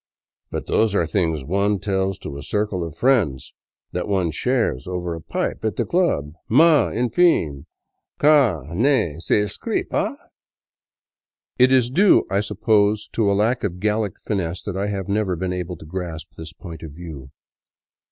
But those are things one tells to a circle of friends, that one shares over a pipe at the club, mais, enfin, ga ne s'ecrit pas" ! It is due, I suppose, to a lack of Gallic finesse that I have never been able to grasp this point of view.